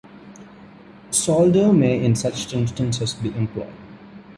Solder may in such instances be employed.